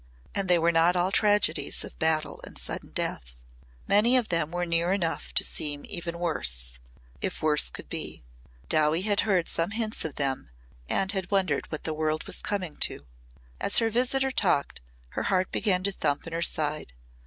And they were not all tragedies of battle and sudden death. Many of them were near enough to seem even worse if worse could be. Dowie had heard some hints of them and had wondered what the world was coming to. As her visitor talked her heart began to thump in her side.